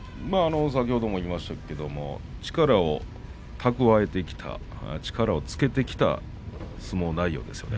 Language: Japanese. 先ほども言いましたけれども力を蓄えてきた、力をつけてきた相撲内容ですよね。